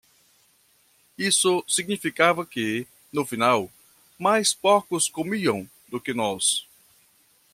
Isso significava que, no final, mais porcos comiam do que nós.